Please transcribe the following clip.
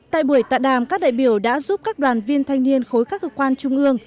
tại buổi tọa đàm các đại biểu đã giúp các đoàn viên thanh niên khối các cơ quan trung ương